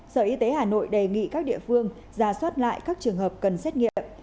sở y tế hà nội đề nghị các địa phương ra soát lại các trường hợp cần xét nghiệm